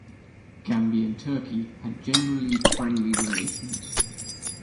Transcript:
Gambia and Turkey had generally friendly relations.